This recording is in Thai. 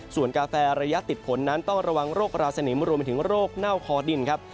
ส่วนกาแฟระยะติดผลนั้นต้องระวังโรคราสนิมรวมไปถึงโรคเน่าคอดินครับ